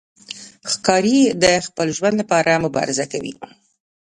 ښکاري د خپل ژوند لپاره مبارزه کوي.